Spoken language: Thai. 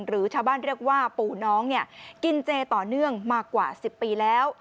หรือชาวบ้านเรียกว่าปู่น้องเนี่ยกินเจต่อเนื่องมากว่า๑๐ปีแล้ว